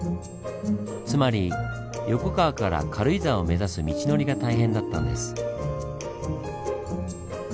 つまり横川から軽井沢を目指す道のりが大変だったんです。